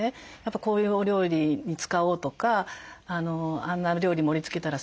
こういうお料理に使おうとかあんなお料理盛りつけたらすてきだろうな。